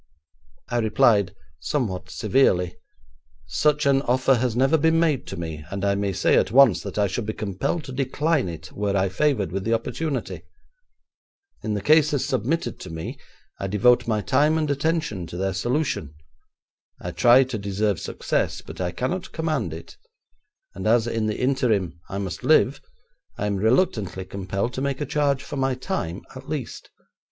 I replied somewhat severely: 'Such an offer has never been made to me, and I may say at once that I should be compelled to decline it were I favoured with the opportunity. In the cases submitted to me, I devote my time and attention to their solution. I try to deserve success, but I cannot command it, and as in the interim I must live, I am reluctantly compelled to make a charge for my time, at least.